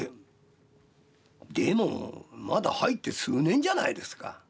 でもまだ入って数年じゃないですか。